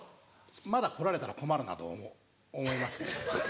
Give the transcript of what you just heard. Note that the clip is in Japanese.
まだ来られたら困るなと思いまして。